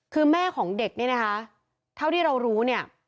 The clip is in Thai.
คือแม่ของเด็กเนี่ยนะคะเท่าที่เรารู้เนี่ย